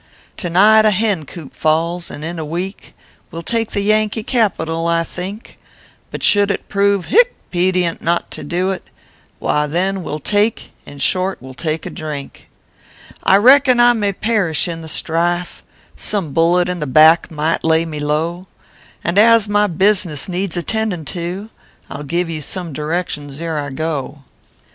* To night a hen copp falls ; and in a week We ll take the Yankee capital, I think ; But should it prove (hie) pedient not to do t, Why, then, we ll take in short, we ll take a drink, "I reckon I may p erish in the strife Some bullet in the back might lay me low And as my business needs attendiu to, I ll give you some directions ere I go.